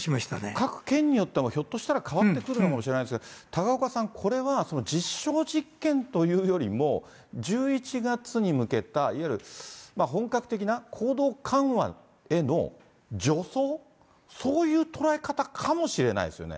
各県によってもひょっとしたら変わってくるのかもしれないですが、高岡さん、これは、実証実験というよりも、１１月に向けた、いわゆる、本格的な行動緩和へのじょそう、そういう捉え方かもしれないですよね。